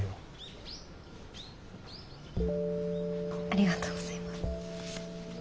ありがとうございます。